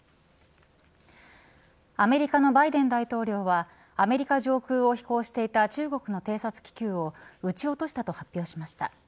アメリカのバイデン大統領はアメリカ上空を飛行していた中国の偵察気球を撃ち落としたと発表しました。